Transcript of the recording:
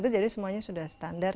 jadi semuanya sudah standar